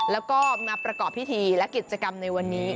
แล้วก็มาประกอบพิธีและกิจกรรมในวันนี้